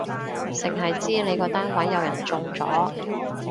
剩係知你個單位有人中咗